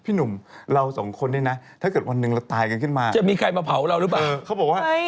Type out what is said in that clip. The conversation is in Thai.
พี่หนุ่มเรา๒คนนี้ล่ะถ้าเกิดวันหนึ่งเราตายกันขึ้นมาจะมีใครมาเผาเราหรือบ่ะ